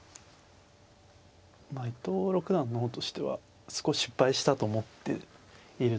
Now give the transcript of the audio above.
伊藤六段の方としては少し失敗したと思っていると思うので。